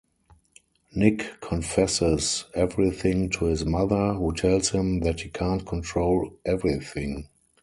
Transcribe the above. Nick confesses everything to his mother, who tells him that he can't 'control everything'.